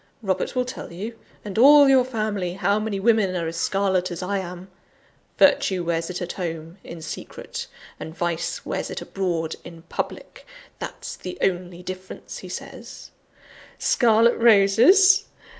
Robert will tell you, and all your family, how many women are as scarlet as I am virtue wears it at home, in secret; and vice wears it abroad, in public: that's the only difference, he says. Scarlet roses!